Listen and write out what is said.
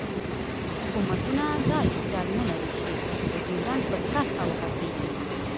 حوکمتونه دا اختیار نه لری چی د ډیورنډ پر کرښه وغږیږی